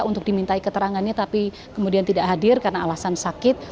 untuk dimintai keterangannya tapi kemudian tidak hadir karena alasan sakit